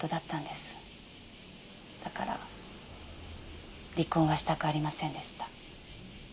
だから離婚はしたくありませんでした。